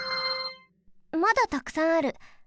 まだたくさんある。